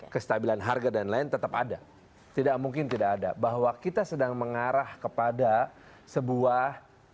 kestabilan harga dan lain tetap ada tidak mungkin tidak ada bahwa kita sedang mengarah kepada sebuah